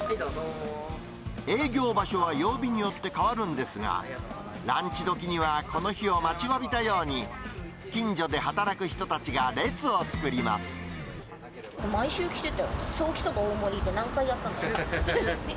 営業場所は曜日によって変わるんですが、ランチ時にはこの日を待ちわびたように、近所で働く人たちが列を毎週来てた。